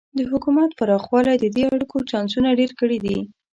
د حکومت پراخوالی د دې اړیکو چانسونه ډېر کړي دي.